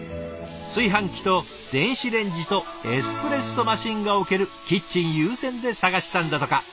炊飯器と電子レンジとエスプレッソマシンが置けるキッチン優先で探したんだとか。